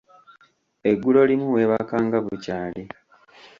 Eggulo limu weebakanga bukyali.